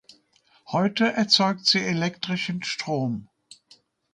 Heute erzeugt sie elektrischen Strom.